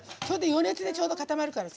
余熱でちょうど固まるから。